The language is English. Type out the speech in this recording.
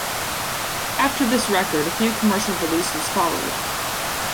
After this record, a few commercial releases followed.